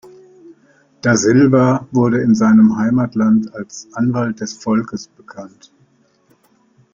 Da Silva wurde in seinem Heimatland als „Anwalt des Volkes“ bekannt.